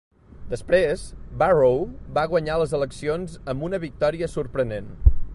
Després, Barrow va guanyar les eleccions amb una victòria sorprenent.